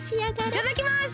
いただきます！